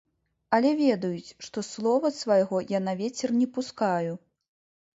Але ведаюць, што слова свайго я на вецер не пускаю.